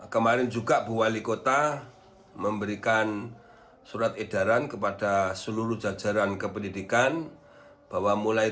kemarin juga bu wali kota memberikan surat edaran kepada seluruh jajaran kependidikan bahwa mulai